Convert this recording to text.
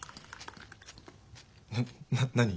な何？